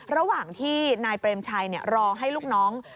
ระหว่างที่นายเปรมชัยรอให้ลูกน้อง